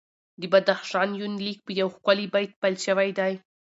د بدخشان یونلیک په یو ښکلي بیت پیل شوی دی.